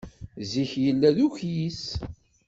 Zik yella d ukyis.